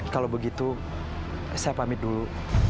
kalau begitu saya pamit dulu